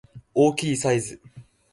大きいサイズ